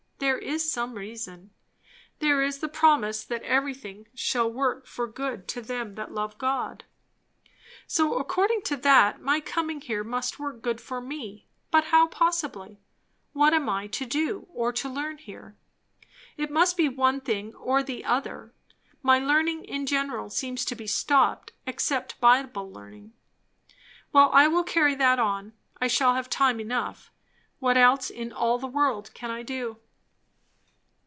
There is some reason. There is the promise that everything shall work for good to them that love God; so according to that, my coming here must work good for me. But how possibly? What am I to do, or to learn, here? It must be one thing or the other. My learning in general seems to be stopped, except Bible learning. Well, I will carry that on. I shall have time enough. What else in all the world can I do?